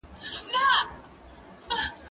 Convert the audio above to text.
مېوې وچ کړه!.